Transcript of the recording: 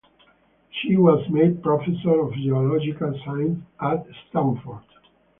She was made Professor of Geological Science at Stanford.